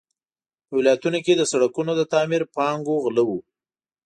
په ولایتونو کې د سړکونو د تعمیر پانګو غله وو.